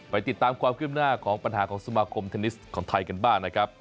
ไปติดตามความคืบหน้าของปัญหาของสมาคมเทนนิสของไทยกันบ้างนะครับ